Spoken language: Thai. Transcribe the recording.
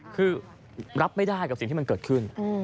คือรับไม่ได้กับสิ่งที่มันเกิดขึ้น